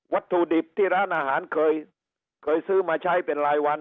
ถุดิบที่ร้านอาหารเคยซื้อมาใช้เป็นรายวัน